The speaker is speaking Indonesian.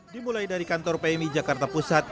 dimulai dari kantor pmi jakarta pusat